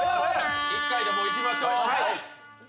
１回でもういきましょう。